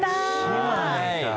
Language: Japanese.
島根か。